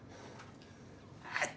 はい。